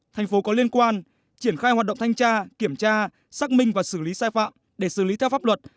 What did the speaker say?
thành phố có liên quan triển khai hoạt động thanh tra kiểm tra xác minh và xử lý sai phạm để xử lý theo pháp luật